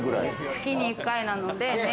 月に１回なので。